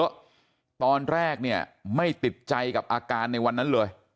เพราะตอนแรกไม่ติดใจกับอาการในวันนั้นเลย